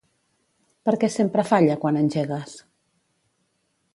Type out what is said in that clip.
Per què sempre falla quan engegues?